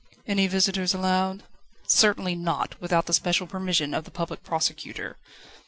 "Any visitors allowed?" "Certainly not, without the special permission of the Public Prosecutor."